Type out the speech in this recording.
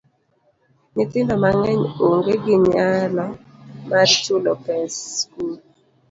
Nyithindo mang'eny onge gi nyalo mar chulo pes skul.